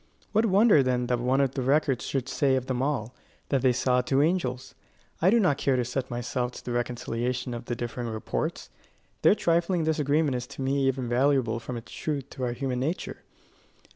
What wonder then that one of the records should say of them all, that they saw two angels? I do not care to set myself to the reconciliation of the differing reports. Their trifling disagreement is to me even valuable from its truth to our human nature.